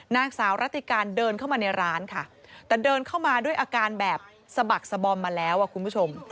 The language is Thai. นางสาวรัติการเดินเข้ามาในร้านค่ะแต่เดินเข้ามาด้วยอาการแบบสะบักสะบอมมาแล้วอ่ะคุณผู้ชม